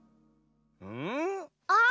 ん？あっ。